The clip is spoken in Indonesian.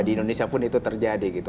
di indonesia pun itu terjadi gitu